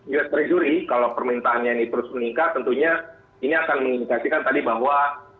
us treasury kalau permintaannya ini terus meningkat tentunya ini akan mengindikasikan tadi bahwa